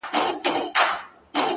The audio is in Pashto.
د گل خندا-